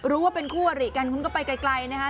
รู้ว่าเป็นคู่อริกันคุณก็ไปไกลนะคะ